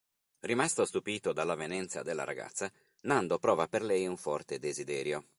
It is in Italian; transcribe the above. Rimasto stupito dall'avvenenza della ragazza Nando prova per lei un forte desiderio.